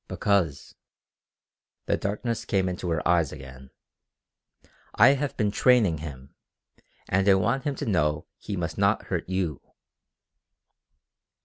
Because" the darkness came into her eyes again "I have been training him, and I want him to know he must not hurt you."